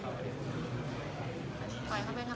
เขาปวดสุนัขเข้าไปเหรอคะ